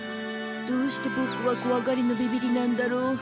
どうしてボクはこわがりのビビリなんだろう？